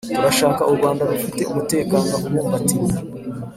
turashaka u rwanda rufite umutekano ubumbatiwe